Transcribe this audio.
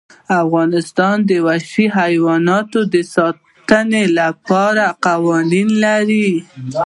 افغانستان د وحشي حیوانات د ساتنې لپاره قوانین لري.